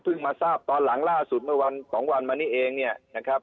มาทราบตอนหลังล่าสุดเมื่อวันสองวันมานี้เองเนี่ยนะครับ